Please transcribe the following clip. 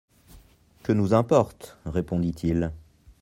Que nous importe ? répondit-il.